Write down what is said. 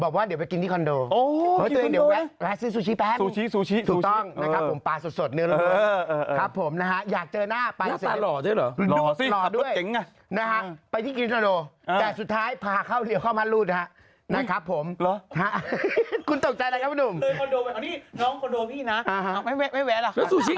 ปรากฏว่าคนที่เป็นเขย่าก็คือเป็นตากล้องไง